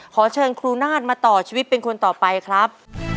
ขอเชิญครูนาฏมาต่อชีวิตเป็นคนต่อไปครับ